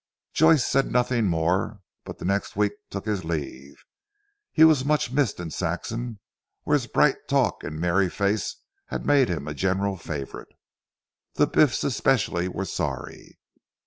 Joyce said nothing more, but the next week took his leave. He was much missed in Saxham where his bright talk and merry face had made him a general favourite. The Biff's especially were sorry.